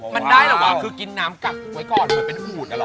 มันได้เหรอวะคือกินน้ำกักไว้ก่อนมันเป็นอู๋ดหรอ